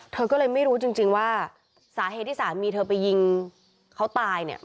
เธอก็เลยไม่รู้จริงว่าสาเหตุที่สามีเธอไปยิงเขาตายเนี่ย